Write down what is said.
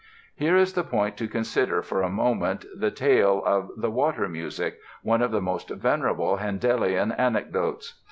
Here is the point to consider for a moment the tale of the "Water Music", one of the most venerable Handelian anecdotes.